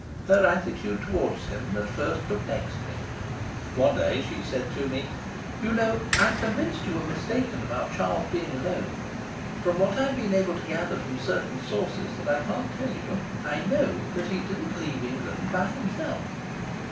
Her attitude towards him at first perplexed me. One day she said to me: "You know, I'm convinced you were mistaken about Charles being alone. From what I've been able to gather from certain sources that I can't tell you, I know that he didn't leave England by himself."